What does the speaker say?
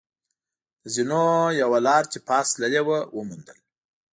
د زینو یوه لار چې پاس تللې وه، و موندل.